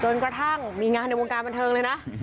กระทั่งมีงานในวงการบันเทิงเลยนะ